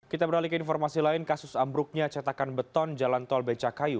kita beralih ke informasi lain kasus ambruknya cetakan beton jalan tol becakayu